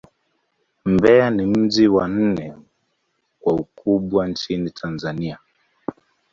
Mbeya ni mji wa nne kwa ukubwa nchini Tanzania.